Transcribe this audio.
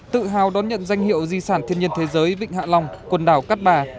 tự hào đón nhận danh hiệu di sản thiên nhiên thế giới vịnh hạ long quần đảo cát bà